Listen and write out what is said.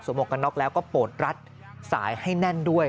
หวกกันน็อกแล้วก็โปรดรัดสายให้แน่นด้วย